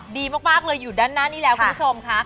ดีมากเลยอยู่ด้านหน้านี้แล้วคุณผู้ชมค่ะ